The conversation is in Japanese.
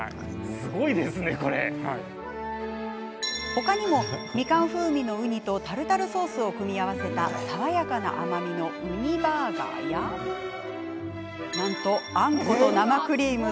ほかにもみかん風味のウニとタルタルソースを組み合わせた爽やかな甘みの、うにバーガーやなんと、あんこと生クリーム。